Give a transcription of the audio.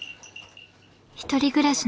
一人暮らしの與